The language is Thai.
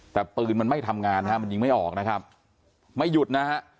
แต่ปืนมันไม่ทำงานนะฮะมันยิงไม่ออกนะครับไม่หยุดนะฮะ